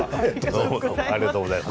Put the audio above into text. ありがとうございます。